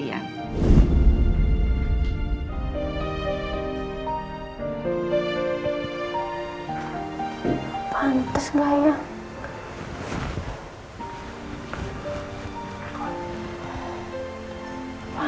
ya ya misalnya